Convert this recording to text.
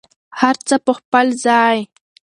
هر څه په خپل ځای.